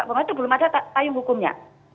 karena itu belum ada tayung hukumnya